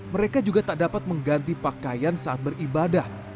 mereka juga tak dapat mengganti pakaian saat beribadah